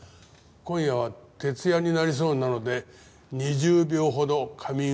今夜は徹夜になりそうなので２０秒ほど仮眠を。